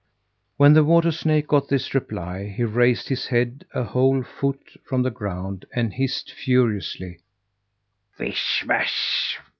When the water snake got this reply he raised his head a whole foot from the ground, and hissed furiously: "Vish vash!